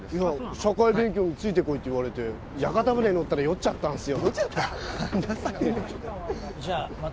社会勉強についてこいと言われて屋形船に乗ったら酔っちゃったんすよ・